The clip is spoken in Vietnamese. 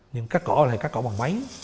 nhưng cắt cỏ là cắt cỏ bằng máy